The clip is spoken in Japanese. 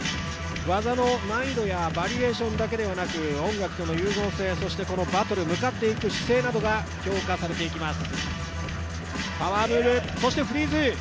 技の難易度やバリエーションだけではなく音楽との融合性、そしてバトルに向かっていく姿勢などが評価されていきます。